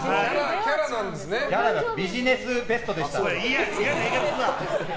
ビジネスベストでした。